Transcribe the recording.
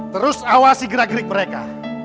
terus awasi gerak gerik mereka